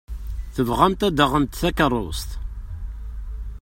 Tebɣamt ad d-taɣemt takeṛṛust.